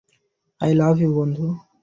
I love you, বন্ধু।